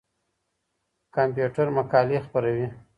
کمپيوټر مقالې خپروي.